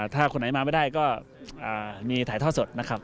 ถ้าคนไหนมาไม่ได้ก็มีถ่ายท่อสดนะครับ